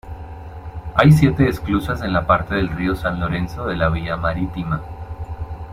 Hay siete esclusas en la parte del río San Lorenzo de la vía marítima.